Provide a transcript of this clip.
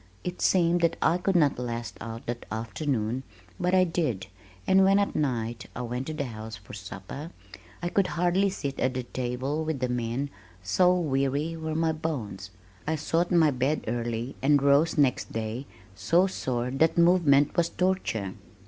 It seemed that I could not last out the afternoon, but I did, and when at night I went to the house for supper, I could hardly sit at the table with the men, so weary were my bones. I sought my bed early and rose next day so sore that movement was torture.